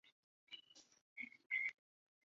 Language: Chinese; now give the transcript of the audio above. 铃木达央是日本的男性声优兼歌手。